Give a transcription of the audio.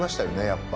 やっぱ。